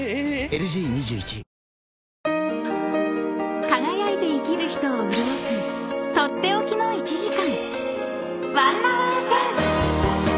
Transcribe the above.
⁉ＬＧ２１［輝いて生きる人を潤す取って置きの１時間］